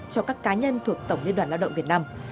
cho các cá nhân thuộc tổng liên đoàn lao động việt nam